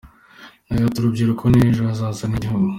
Yagize ati "urubyiruko ni ejo hazaza h’igihugu.